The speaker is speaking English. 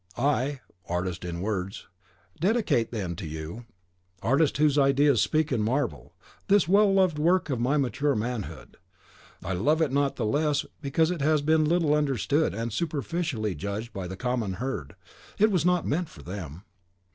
I, artist in words, dedicate, then, to you, artist whose ideas speak in marble, this well loved work of my matured manhood. I love it not the less because it has been little understood and superficially judged by the common herd: it was not meant for them.